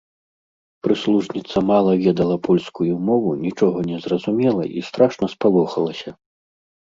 Прыслужніца мала ведала польскую мову, нічога не зразумела і страшна спалохалася.